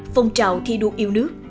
phong trào thi đua yêu nước